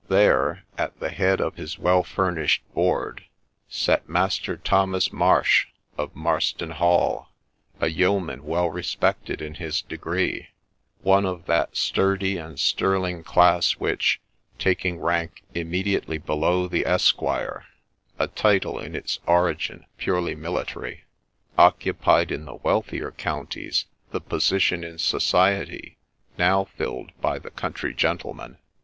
There, at the head of his well furnished board, sat Master Thomas Marsh, of Marston Hall, a yeoman well respected in his degree : one of that sturdy and sterling class which, taking rank immediately below the Esquire, (a title in its origin purely military,) occupied, in the wealthier counties, the position in society now filled by the Country Gentleman.